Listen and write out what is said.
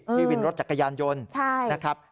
พี่วินรถจักรยานยนต์นะครับ